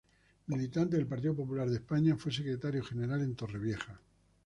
Militante del Partido Popular de España, fue secretario general en Torrevieja.